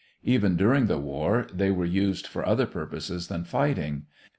Even during the war they were used for other purposes than fighting.